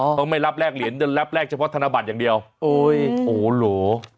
ต้องไม่รับแรกเหรียญต้องรับแรกเฉพาะธนบัตรอย่างเดียวโอ้โหโหหลัว